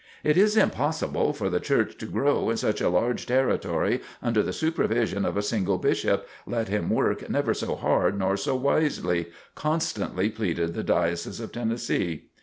"It is impossible for the Church to grow in such a large territory under the supervision of a single bishop, let him work never so hard nor so wisely," constantly pleaded the Diocese of Tennessee.